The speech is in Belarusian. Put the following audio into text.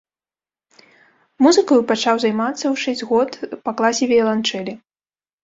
Музыкаю пачаў займацца ў шэсць год па класе віяланчэлі.